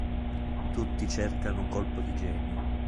Tutti cercano un colpo di genio.